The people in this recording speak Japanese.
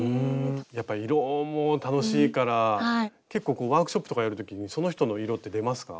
やっぱ色も楽しいから結構ワークショップとかやる時にその人の色って出ますか？